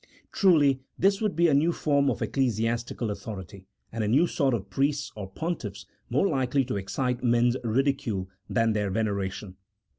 Truly this would be a new form of ecclesiastical autho rity, and a new sort of priests or pontiffs, more likely to excite men's ridicule than their veneration.